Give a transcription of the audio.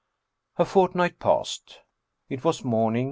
II A FORTNIGHT passed. It was morning.